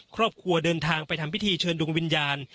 ครอบครัวเดินทางไปทำพิธีเชิญดวงวิญญาณ